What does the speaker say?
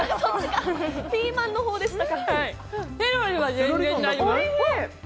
ピーマンの方でしたか。